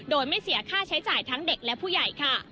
โดยไม่เสียค่าใช้จ่ายทั้งเด็กและผู้ใหญ่ค่ะ